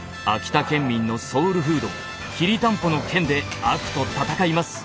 秋田県民のソウルフードきりたんぽの剣で悪と戦います。